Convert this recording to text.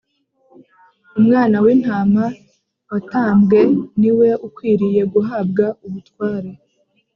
“Umwana w’Intama watambwe ni we ukwiriye guhabwa ubutware